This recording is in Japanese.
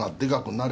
なれ